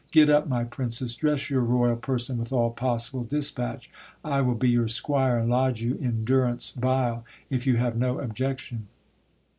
Get up, my princess, dress your royal person with all possible dispatch. I will be your squire, and lodge you in dur ance vile, if you have no objection.